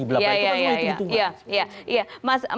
itu adalah hitung hitungan